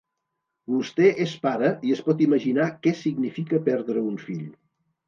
Vostè és pare i es pot imaginar què significa perdre un fill.